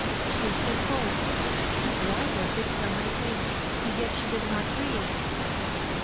She is so cold, and her eyes are fixed on my face, and yet she does not breathe."